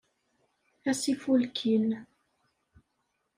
Ass ifulkin!